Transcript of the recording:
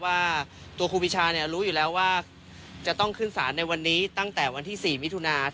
ว่าครูปีชาเนี่ยรู้อยู่แล้วว่าจะต้องขึ้นศาลในวันนี้ตั้งแต่วันที่สี่มิทุนาธห์